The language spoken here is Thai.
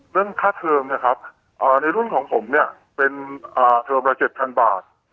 เรื่องค่าเทอมนะครับในรุ่นของผมเนี่ยเป็นเทอมละ๗๐๐บาท